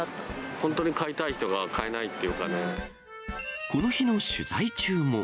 本当に買いたい人が買えないこの日の取材中も。